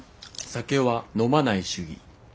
酒は飲まない主義。